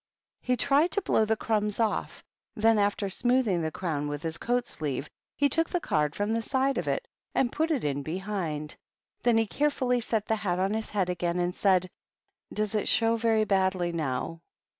He tried to blow the crumbs off; then, after smoothing the crown with his coat sleeve, he took the card from the side of it and put it in behind. Then he carefully set the hat on his head again, and asked, "Does it show very badly now?"